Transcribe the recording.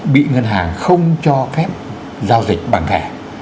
bị ngân hàng không cho phép giao dịch bằng thẻ